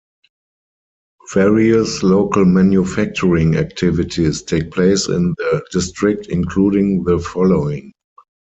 Various local manufacturing activities take place in the District including the following.